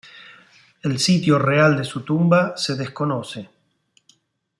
El sitio real de su tumba se desconoce.